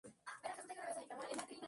Fue enterrado en los Estados Unidos.